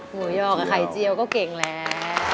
หมูยอกับไข่เจียวก็เก่งแล้ว